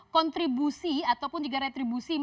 kontribusi ataupun juga retribusi